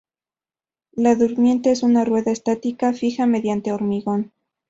La durmiente es una rueda estática, fija mediante hormigón.